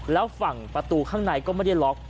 แล้วฝั่งประตูข้างในก็ไม่ได้ล็อก